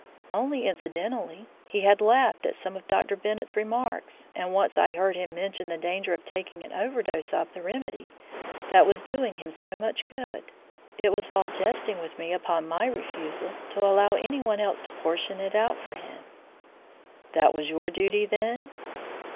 "Only incidentally. He had laughed at some of Dr. Bennett's remarks, and once I heard him mention the danger of taking an overdose of the remedy that was doing him so much good. It was while jesting with me upon my refusal to allow anyone else to portion it out for him." "That was your duty, then?"